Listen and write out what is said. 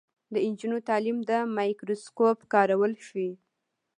د نجونو تعلیم د مایکروسکوپ کارول ښيي.